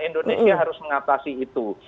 indonesia harus mengatasi itu